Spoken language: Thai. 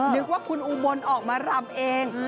นึกว่าคุณอุบลออกมารำเอง